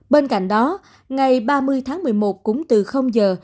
bên cạnh đó ngày ba mươi tháng một mươi một cũng từ giờ